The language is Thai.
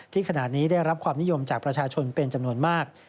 ขณะนี้ได้รับความนิยมจากประชาชนเป็นจำนวนมาก